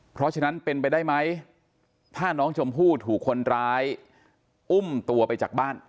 เพราะฉะนั้นเป็นไปได้ไหมถ้าน้องชมพู่ถูกคนร้ายอุ้มตัวไปจากบ้าน